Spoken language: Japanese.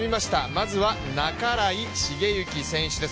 まずは、半井重幸選手です。